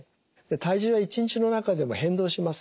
体重は一日の中でも変動します。